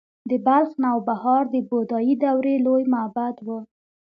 د بلخ نوبهار د بودايي دورې لوی معبد و